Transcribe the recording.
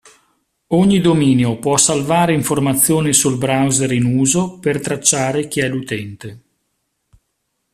Ogni dominio può salvare informazioni sul browser in uso per tracciare chi è l'utente.